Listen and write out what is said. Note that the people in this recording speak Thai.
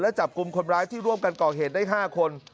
และจับกลุ่มคนร้ายที่ร่วมกันก่อเหตุได้๕คน